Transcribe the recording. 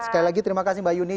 sekali lagi terima kasih mbak yuni